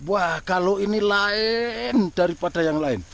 wah kalau ini lain daripada yang lain